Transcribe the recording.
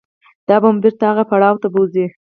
دا به مو بېرته هغه پړاو ته بوځي.